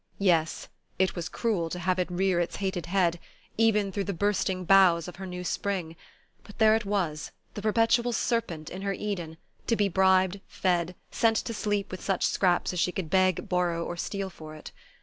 Yes it was cruel to have it rear its hated head, even through the bursting boughs of her new spring; but there it was, the perpetual serpent in her Eden, to be bribed, fed, sent to sleep with such scraps as she could beg, borrow or steal for it.